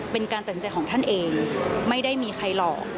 เป็นการตัดสินใจของท่านเองไม่ได้มีใครหลอก